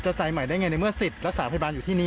ใส่ใหม่ได้ไงในเมื่อสิทธิ์รักษาพยาบาลอยู่ที่นี้